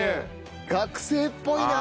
学生っぽいなあ。